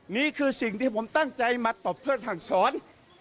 นี่คือสิ่งที่ผมตั้งใจมาตบเพื่อสั่งสอน